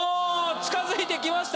近づいてきました。